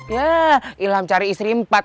ya ilham cari istri empat